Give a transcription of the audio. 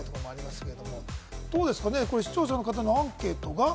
どうですかね、視聴者の方のアンケートが。